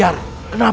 aku tidak mengajar